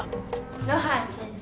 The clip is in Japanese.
露伴先生。